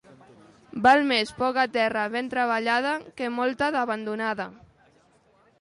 Val més poca terra ben treballada que molta d'abandonada.